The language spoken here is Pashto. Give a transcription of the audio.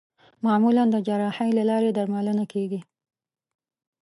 معمولا د جراحۍ له لارې درملنه کېږي.